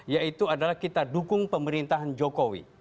yaitu adalah kita dukung pemerintahan jokowi